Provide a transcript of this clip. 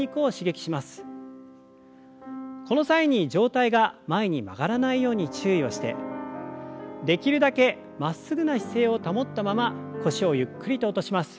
この際に上体が前に曲がらないように注意をしてできるだけまっすぐな姿勢を保ったまま腰をゆっくりと落とします。